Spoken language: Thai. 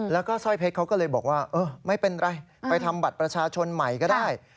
แล้วก็สร้อยเพชรเขาก็เลยบอกว่าไม่เป็นไรไปทำบัตรประชาชนใหม่ก็ได้